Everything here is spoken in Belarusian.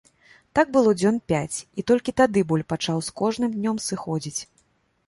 Так было дзён пяць, і толькі тады боль пачаў з кожным днём сыходзіць.